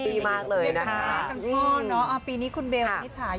นี่แหละครับทั้งต้อนเนาะปีนี้คุณเบลมิถาอยู่๓๑แล้วนะ